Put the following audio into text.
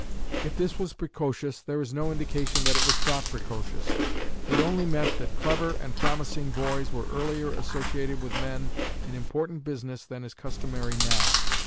If this was precocious, there is no indication that it was thought precocious. It only meant that clever and promising boys were earlier associated with men in important business than is customary now.